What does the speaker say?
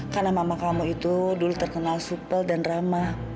karena mama kamu itu dulu terkenal supel dan ramah